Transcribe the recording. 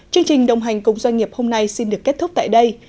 chương trình đồng hành cùng doanh nghiệp hôm nay xin được kết thúc tại đây